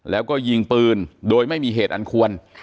แล้วก็ยิงปืนโดยไม่มีเหตุอันควร